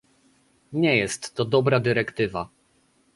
Nie jest to dobra dyrektywa